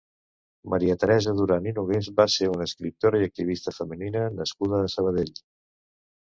Maria Teresa Duran i Nogués va ser una escriptora i activista feminista nascuda a Sabadell.